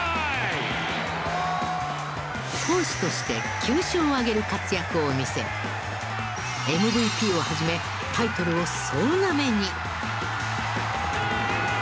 投手として９勝を挙げる活躍を見せＭＶＰを始めタイトルを総なめに。